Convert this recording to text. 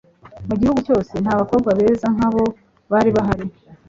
mu gihugu cyose, nta bakobwa beza nk'abo bari bahari